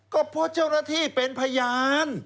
ก็เพราะเจ้าหน้าที่เป็นพยาน